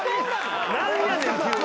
何やねん急に。